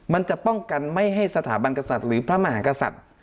มันจะป้องกันไม่ให้สถาบันกษัตริย์หรือพระมหากษัตริย์